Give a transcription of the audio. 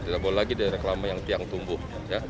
tidak boleh lagi di reklama yang piang tumbuh